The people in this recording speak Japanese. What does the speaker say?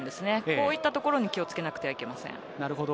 こういったところに気を付けなくてはいけません。